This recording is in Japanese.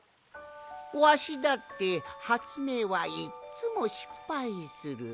わしだってはつめいはいっつもしっぱいする。